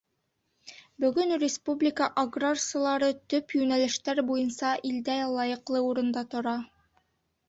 Бөгөн республика аграрсылары төп йүнәлештәр буйынса илдә лайыҡлы урында тора.